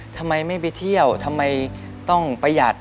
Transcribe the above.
ทำไมไม่ไปเที่ยวทำไมต้องประหยัด